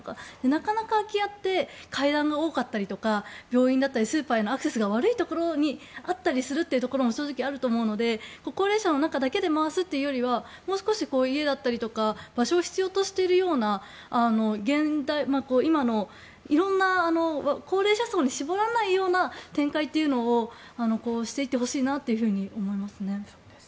なかなか空き家って階段が多かったりとか病院だったりとかアクセスが悪いところにあったりすると思うので高齢者の中だけで回すというよりはもう少し家だったり場所を必要としているような今のいろんな高齢者層に絞らないような展開というのをこうしていってほしいなと思います。